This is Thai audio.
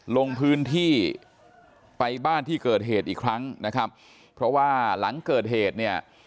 ลงพื้นที่ไปบ้านที่เกิดเหตุอีกครั้งนะครับเพราะว่าหลังเกิดเหตุเนี่ย